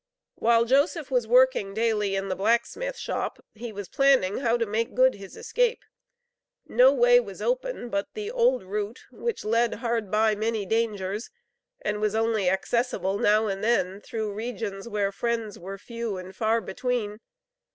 While Joseph was working daily in the blacksmith shop, he was planning how to make good his escape. No way was open but the old route, which led "hard by" many dangers, and was only accessible now and then through regions where friends were few and far between.